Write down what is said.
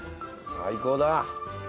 最高だ。